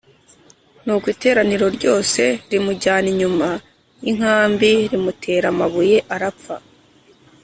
Nuko iteraniro ryose rimujyana inyuma y inkambi rimutera amabuye arapfa